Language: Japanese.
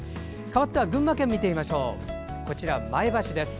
かわっては群馬県見てみましょう、前橋です。